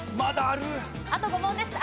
あと５問です。